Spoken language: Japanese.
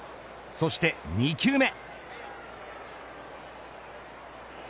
そして２球目。